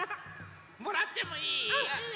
もらってもいい？